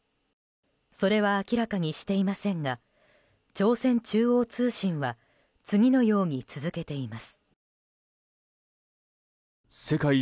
それは明らかにしていませんが朝鮮中央通信は次のように続けています。